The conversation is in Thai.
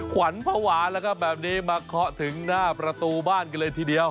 ขวัญภาวะแล้วครับแบบนี้มาเคาะถึงหน้าประตูบ้านกันเลยทีเดียว